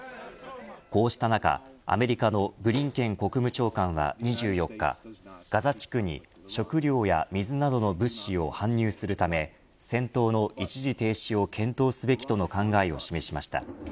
こうした中アメリカのブリンケン国務長官は２４日ガザ地区に食料や水などの物資を搬入するため戦闘の一時停止を検討すべきとの考えを示しました。